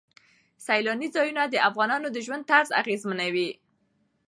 سیلانی ځایونه د افغانانو د ژوند طرز اغېزمنوي.